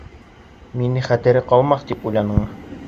Мине, хәтере ҡалмаҫ, тип уйланыңмы?